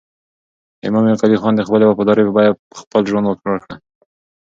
امام قلي خان د خپلې وفادارۍ بیه په خپل ژوند ورکړه.